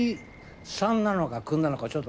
「さん」なのか「くん」なのかちょっと。